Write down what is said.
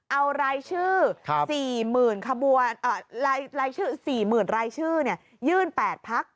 เอารายชื่อ๔๐๐๐๐รายชื่อยื่น๘พัก